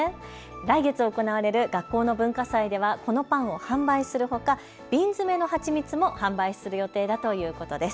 来月、行われる学校の文化祭ではこのパンを販売するほか瓶詰めの蜂蜜も販売する予定だということです。